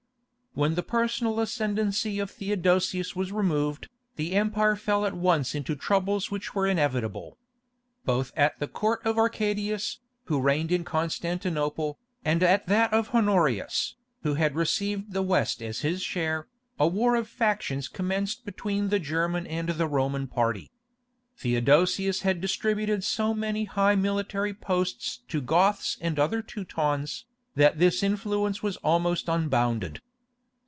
When the personal ascendency of Theodosius was removed, the empire fell at once into the troubles which were inevitable. Both at the court of Arcadius, who reigned at Constantinople, and at that of Honorius, who had received the West as his share, a war of factions commenced between the German and the Roman party. Theodosius had distributed so many high military posts to Goths and other Teutons, that this influence was almost unbounded.